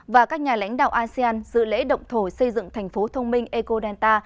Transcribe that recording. và các nhà lãnh đạo asean dự lễ động thổi xây dựng thành phố thông minh ecodenta